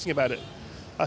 saya mulai tahun dua ribu enam